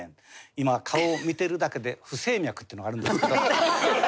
今は顔を見てるだけで不整脈。っていうのがあるんですけど。